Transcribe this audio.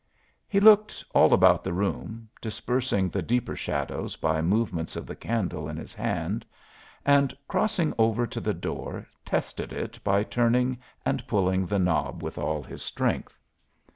He looked all about the room, dispersing the deeper shadows by movements of the candle in his hand, and crossing over to the door tested it by turning and pulling the knob with all his strength.